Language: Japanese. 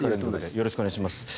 よろしくお願いします。